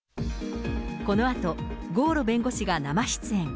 このあと、郷路弁護士が生出演。